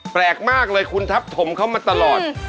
แปลกมากเลยคุณทับถมเขามาตลอด